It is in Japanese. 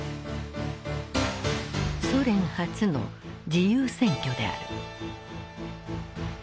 ソ連初の自由選挙である。